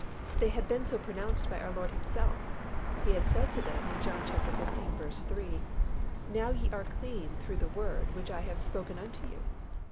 They had been so pronounced by our Lord Himself. He had said to them in John xv. 3, "Now ye are clean through the word which I have spoken unto you."